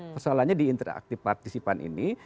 persoalannya di interaktif partisipan ini